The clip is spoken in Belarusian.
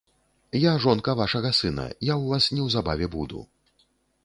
Я жонка вашага сына, я ў вас неўзабаве буду.